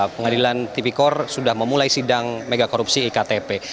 pengadilan tipi korps sudah memulai sidang mega korupsi iktph